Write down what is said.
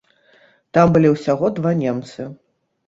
Там былі ўсяго два немцы.